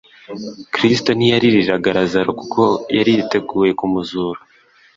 Kristo ntiyaririraga Lazaro kuko yari yiteguye kumuzura.